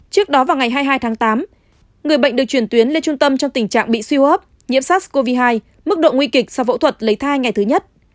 trước đó vào ngày hai mươi hai tháng tám người bệnh được chuyển tuyến lên trung tâm trong tình trạng bị suy hấp nhiễm sars cov hai mức độ nguy kịch sau phẫu thuật lấy thai ngày thứ nhất